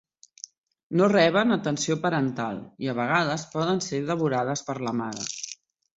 No reben atenció parental i a vegades poden ser devorades per la mare.